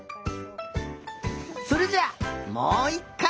それじゃあもういっかい！